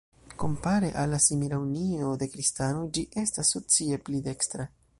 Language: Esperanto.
Kompare al la simila Unio de Kristanoj ĝi estas socie pli dekstra.